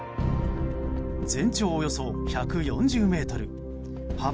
全長およそ１４０ｍ幅